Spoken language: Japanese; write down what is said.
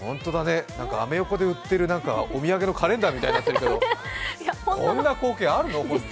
アメ横で売ってるお土産のカレンダーみたいになってるけどこんな光景あるの？